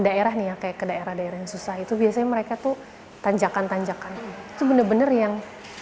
daerahnya ke daerah daerah yang susah itu biasanya mereka tuh tanjakan tanjakan itu bener bener yang